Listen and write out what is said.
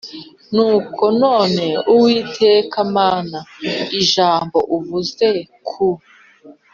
Nuko none Uwiteka Mana ijambo uvuze ku